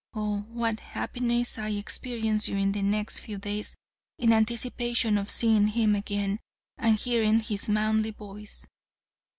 Oh! what happiness I experienced during the next few days in anticipation of seeing him again and hearing his manly voice.